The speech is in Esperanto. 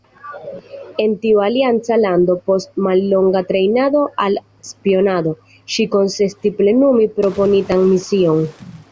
En tiu alianca lando, post mallonga trejnado al spionado, ŝi konsentis plenumi proponitan mision.